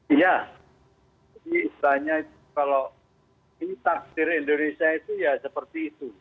iya istilahnya kalau kita sendiri indonesia itu ya seperti itu